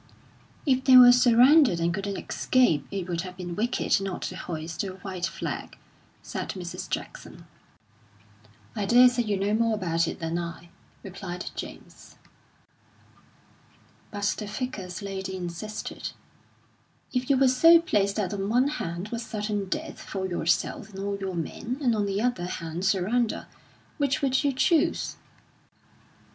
"If they were surrounded and couldn't escape, it would have been wicked not to hoist the white flag," said Mrs. Jackson. "I daresay you know more about it than I," replied James. But the Vicar's lady insisted: "If you were so placed that on one hand was certain death for yourself and all your men, and on the other hand surrender, which would you chose?"